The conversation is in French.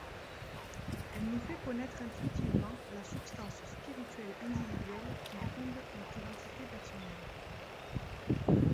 Elle nous fait connaître intuitivement la substance spirituelle individuelle qui fonde notre identité personnelle.